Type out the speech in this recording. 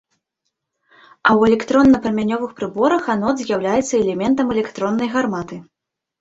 А ў электронна-прамянёвых прыборах анод з'яўляецца элементам электроннай гарматы.